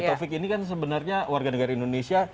taufik ini kan sebenarnya warga negara indonesia